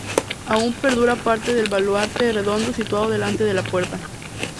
Aún perdura parte del baluarte redondo situado delante de la puerta.